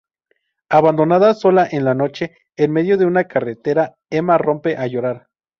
Abandonada sola en la noche en medio de una carretera, Emma rompe a llorar.